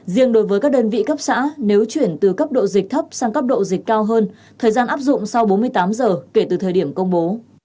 riêng đối với các đơn vị cấp xã nếu chuyển từ cấp độ dịch thấp sang cấp độ dịch cao hơn thời gian áp dụng sau bốn mươi tám giờ kể từ thời điểm công bố